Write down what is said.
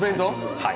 はい。